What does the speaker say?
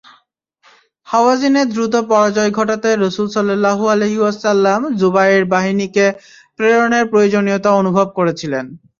হাওয়াযিনের দ্রুত পরাজয় ঘটাতে রাসূল সাল্লাল্লাহু আলাইহি ওয়াসাল্লাম যুবাইর বাহিনীকে প্রেরণের প্রয়োজনীয়তা অনুভব করেছিলেন।